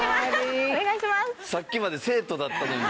さっきまで生徒だったのに。